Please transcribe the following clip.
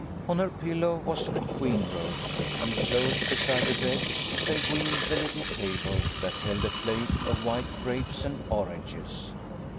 On her pillow was the queen rose, and close beside the bed they wheeled the little table that held a plate of white grapes and oranges.